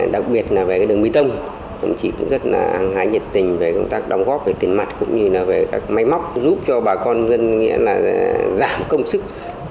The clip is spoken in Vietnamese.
đặc biệt là về đường bí tông công ty cũng rất là hài nhiệt tình về công tác đóng góp về tiền mặt cũng như là về máy móc giúp cho bà con dân giảm công sức